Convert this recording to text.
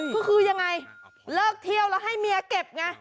ก็คือยังไงเลิกเที่ยวแล้วให้เมียเก็บไง